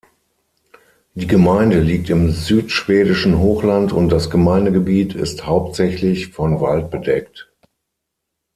Die Gemeinde liegt im südschwedischen Hochland und das Gemeindegebiet ist hauptsächlich von Wald bedeckt.